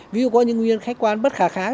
ví dụ có những nguyên nhân khách quan bất khả kháng